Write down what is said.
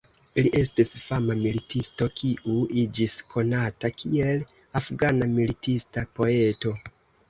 Li estis fama militisto kiu iĝis konata kiel "Afgana militista poeto".